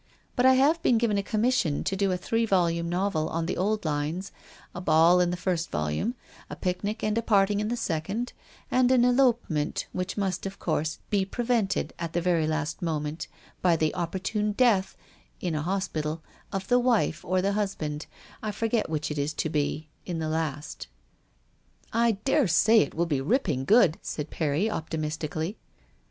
But I have been given a commission to do a three volume novel on the old lines — a dying man in a hospital and a forged will in the first volume ; a ball and a picnic in the second; and an elopement, which must, of course, be prevented at the last moment by the opportune death of the wife, or the husband— I forget which it is to be — in the last." " I dare say it will be ripping good," said Perry optimistically.